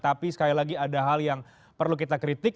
tapi sekali lagi ada hal yang perlu kita kritik